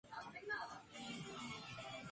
La mayor parte del fondo es de libre acceso.